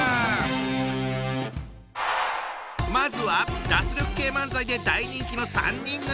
まずは脱力系漫才で大人気の３人組！